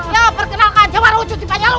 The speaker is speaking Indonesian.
yo perkenalkan jawabannya wujudnya panyalu